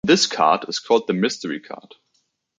This card is called the mystery card.